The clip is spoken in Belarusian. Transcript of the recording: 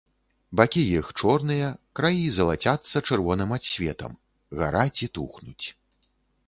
Бакі іх чорныя, краі залацяцца чырвоным адсветам, гараць і тухнуць.